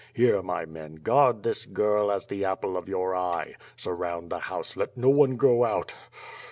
Here, my men, guard this girl as the apple of your eye. Surround the house; let no one go out.